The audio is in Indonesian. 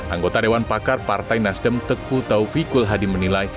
anggota dewan pakar partai nasdem teku taufikul hadi menilai